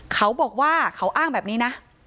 เขาบอกว่าเขาอ้างแบบนี้นะ